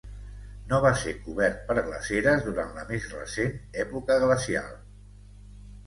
No va ser cobert per glaceres durant la més recent època glacial.